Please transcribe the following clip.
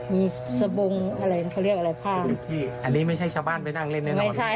มีสบงอะไรเขาเรียกอะไรภาพอันนี้ไม่ใช่ชาวบ้านไปนั่งเล่นในหน่อยไม่ใช่